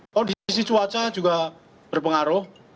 kondisi cuaca juga berpengaruh